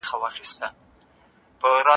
اخلاق د انسان تر ټولو ښکلي ځانګړتیا ده.